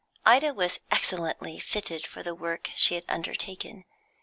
Ida was excellently fitted for the work she had undertaken.